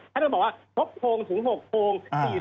เขาบอกว่า๖โพงถึง๖โพง